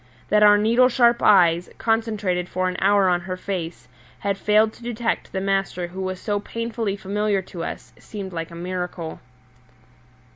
That our needle sharp eyes, concentrated for an hour on her face, had failed to detect the master who was so painfully familiar to us seemed like a miracle.